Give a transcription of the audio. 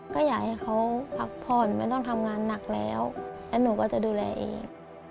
ก็อยากให้เขาพักผ่อนไม่ต้องทำงานหนักแล้วแล้วหนูก็จะดูแลเอง